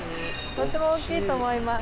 とっても大きいと思います